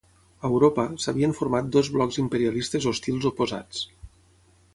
A Europa, s'havien format dos blocs imperialistes hostils oposats.